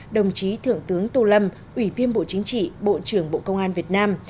đồng chí thượng tướng tô lâm ủy viên bộ chính trị bộ trưởng bộ công an việt nam